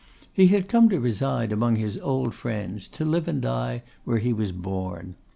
He had come to reside among his old friends, to live and die where he was born.